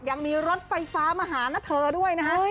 ยังมีรถไฟฟ้ามาหานะเธอด้วยนะฮะ